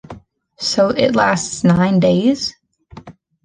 So it lasts nine days!